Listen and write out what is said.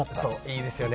いいですよね